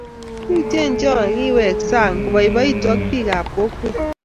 Yutien cho ikiwek saang iboiboitu ak bikaab kokweej.